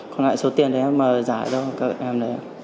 còn lại số tiền thì em